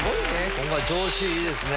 今回調子いいですね。